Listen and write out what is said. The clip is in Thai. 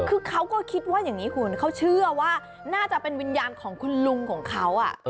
คือเขาก็คิดว่าอย่างนี้คุณเขาเชื่อว่าน่าจะเป็นวิญญาณของคุณลุงของเขา